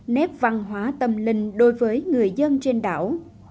nét văn hóa tâm linh đối với người dân trên đảo